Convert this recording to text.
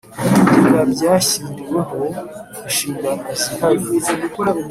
W ibigega byashyiriweho inshingano zihariye